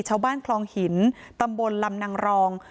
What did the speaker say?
ชาวบ้านคลองหินตำบลลำนางรอง